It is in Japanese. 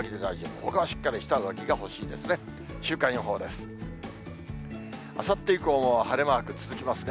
ほかは、しっかりした上着が欲しいですね。